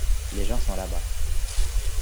Les gens sont là-bas.